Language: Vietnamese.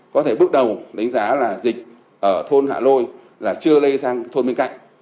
có thể bước đầu đánh giá là dịch ở thôn hạ lôi là chưa lây sang thôn bên cạnh